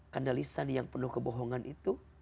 karena lisan yang penuh kebohongan itu